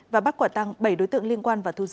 và bắt quả tăng bảy đối tượng liên quan và thu giữ